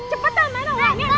cepetan mana uangnya